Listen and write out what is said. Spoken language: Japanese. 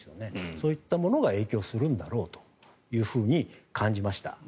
そういったものが影響するんだろうと感じました。